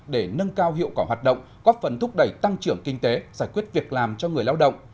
để nâng cao hiệu quả hoạt động góp phần thúc đẩy tăng trưởng kinh tế giải quyết việc làm cho người lao động